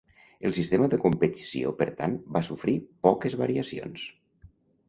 El sistema de competició, per tant, va sofrir poques variacions.